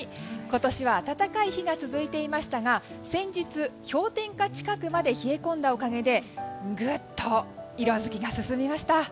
今年は暖かい日が続いていましたが先日、氷点下近くまで冷え込んだおかげでグッと色づきが進みました。